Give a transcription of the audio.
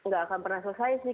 gak akan pernah selesai sih